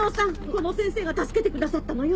この先生が助けてくださったのよ。